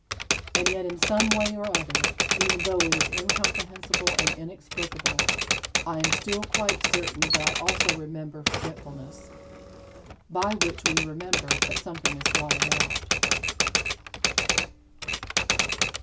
And yet in some way or other, even though it is incomprehensible and inexplicable, I am still quite certain that I also remember forgetfulness, by which we remember that something is blotted out.